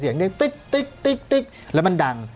เสียงนั่งติ๊กแล้วมันดั่ง